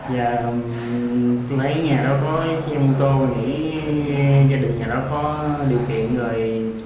và tôi thấy nhà đó có xe mô tô để gia đình nhà đó có điều kiện rồi